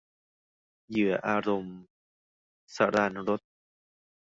เหยื่ออารมณ์ - สราญรส